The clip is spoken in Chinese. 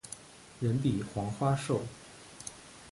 人比黄花瘦